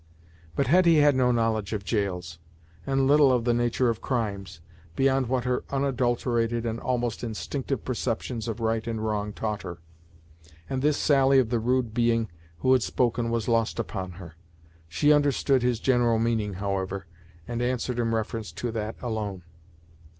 But Hetty had no knowledge of gaols, and little of the nature of crimes, beyond what her unadulterated and almost instinctive perceptions of right and wrong taught her, and this sally of the rude being who had spoken was lost upon her. She understood his general meaning, however, and answered in reference to that alone.